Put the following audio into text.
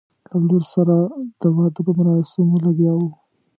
له لور سره د واده په مراسمو لګیا وو.